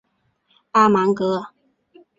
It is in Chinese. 阿芒格。